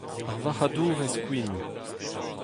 Ar varc'hadourez kouignoù.